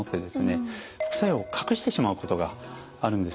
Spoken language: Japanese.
副作用を隠してしまうことがあるんですね。